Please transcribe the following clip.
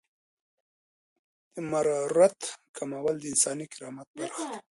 د مرارت کمول د انساني کرامت برخه ده.